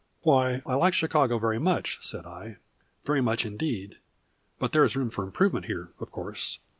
"Why, I like Chicago very much," said I, "very much indeed; but there is room for improvement here, of course.